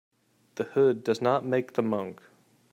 The hood does not make the monk.